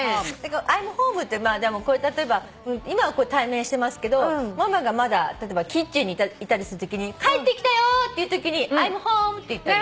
「Ｉ’ｍｈｏｍｅ」って例えば今は対面してますけどママがまだ例えばキッチンにいたりするときに「帰ってきたよ！」っていうときに「Ｉ’ｍｈｏｍｅ」って言ったり。